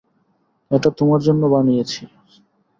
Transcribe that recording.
এটা তোমার জন্য বানিয়েছি।